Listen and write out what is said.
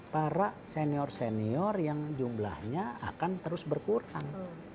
para senior senior yang jumlahnya akan terus berkurang